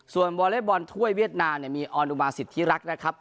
ส่วนวอเล็กบอลถ้วยเวียดนามมีออนอุบาสิทธิรักษ์นะครับ